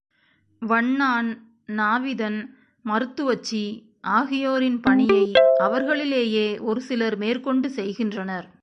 வண்ணான், நாவிதன், மருத்துவச்சி ஆகியோரின் பணியை அவர்களிலேயே ஒரு சிலர் மேற்கொண்டு செய்கின்றனர்.